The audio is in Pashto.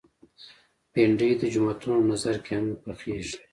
بېنډۍ د جوماتونو نذر کې هم پخېږي